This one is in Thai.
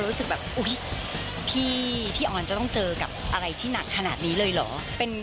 รู้สึกแบบอุ๊ยพี่ออนจะต้องเจอกับอะไรที่หนักขนาดนี้เลยเหรอ